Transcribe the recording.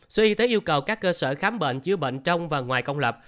sở y tế yêu cầu các cơ sở khám bệnh chữa bệnh trong và ngoài công lập